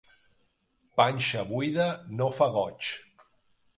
Panxa buida no fa goig.